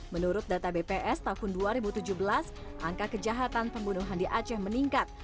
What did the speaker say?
menurut data bps tahun dua ribu tujuh belas angka kejahatan pembunuhan di aceh meningkat